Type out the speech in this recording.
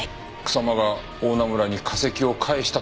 草間が大菜村に化石を返したという事か？